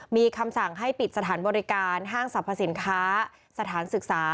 มีคำสั่งให้ปิดสถานบริการห้างสรรพสินค้าสถานศึกษา